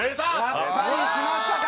やっぱりきましたか